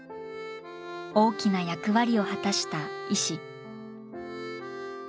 大きな役割を果たした石。